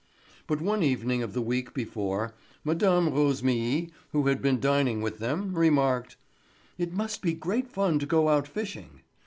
But one evening of the week before, Mme. Rosémilly, who had been dining with them, remarked, "It must be great fun to go out fishing."